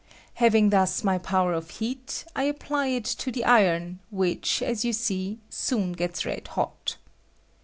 Having thus my power of heat, I apply it to the iron, which, as you see, soon gets red hot.